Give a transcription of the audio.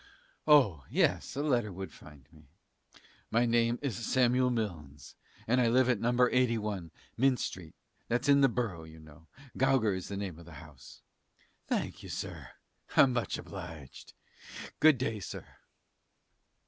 Oh! yes, a letter would find me. My name is Samuel Milnes, and I live at No. 81, Mint street, that's in the Borough; you know, Guager is the name at the house. Thank you, sir, I'm much obliged. Good day, sir."